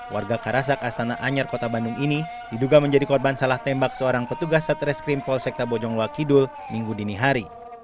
warga karasak astana anyar kota bandung ini diduga menjadi korban salah tembak seorang petugas satreskrim polsekta bojongluakidul minggu dinihari